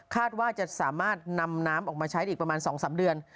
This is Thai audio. ว่าจะสามารถนำน้ำออกมาใช้อีกประมาณ๒๓เดือน